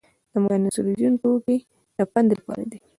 د ملانصرالدین ټوکې د پند لپاره دي.